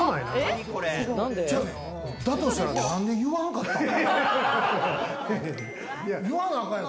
だとしたら何で言わんかったん？